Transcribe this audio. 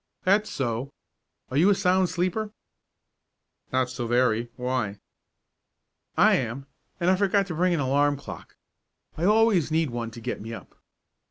"That's so. Are you a sound sleeper?" "Not so very. Why?" "I am, and I forgot to bring an alarm clock. I always need one to get me up."